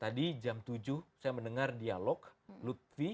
tadi jam tujuh saya mendengar dialog lutfi